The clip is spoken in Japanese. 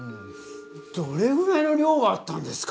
どれぐらいのりょうがあったんですか？